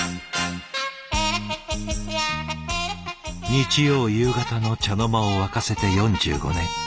日曜夕方の茶の間を沸かせて４５年。